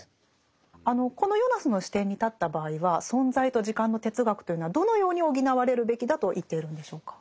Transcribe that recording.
このヨナスの視点に立った場合は「存在と時間」の哲学というのはどのように補われるべきだと言っているんでしょうか？